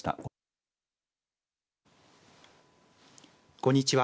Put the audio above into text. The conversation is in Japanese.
こんにちは。